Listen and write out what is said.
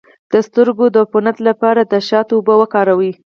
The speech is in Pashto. د سترګو د عفونت لپاره د شاتو اوبه وکاروئ